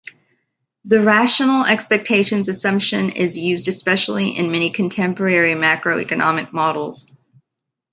The rational expectations assumption is used especially in many contemporary macroeconomic models.